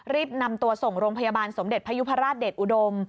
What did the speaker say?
รีบนำตัวส่งโรงพยาบาลสมเด็จพยุพราชเดชอุดม